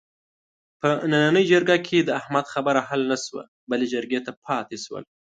په نننۍ جرګه کې د احمد خبره حل نشوه، بلې جرګې ته پاتې شوله.